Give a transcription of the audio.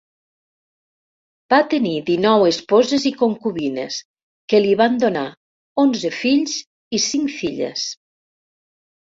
Va tenir dinou esposes i concubines, que li van donar onze fills i cinc filles.